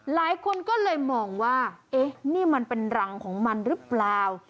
หลายคนก็เลยมองว่าเอ๊ะนี่มันเป็นรังของมันหรือเปล่า